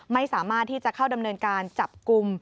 ไม่สามารถที่จะเข้าดำเนินการจับกลุ่ม